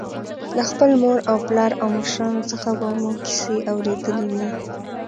له خپل مور او پلار او مشرانو څخه به مو کیسې اورېدلې وي.